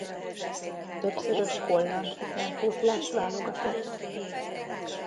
Többszörös holland utánpótlás válogatott.